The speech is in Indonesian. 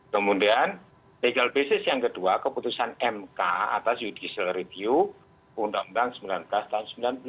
kemudian legal basis yang kedua keputusan mk atas judicial review undang undang sembilan belas tahun sembilan belas